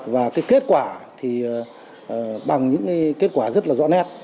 và cái kết quả thì bằng những kết quả rất là rõ nét